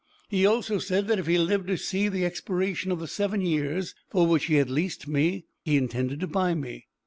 He also said that if he lived to see the expiration of the seven years for which he had leased me, he intended to buy me.